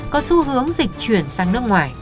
có xu hướng dịch chuyển sang nước ngoài